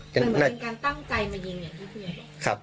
เป็นการตั้งใจมายิงอย่างนี้ครับ